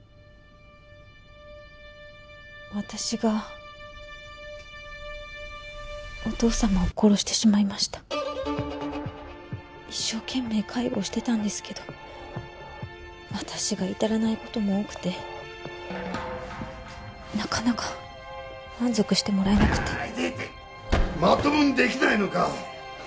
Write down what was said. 私がお義父様を殺してしまいました一生懸命介護をしてたんですけど私がいたらないことも多くてなかなか満足してもらえなくてまともにできないのか！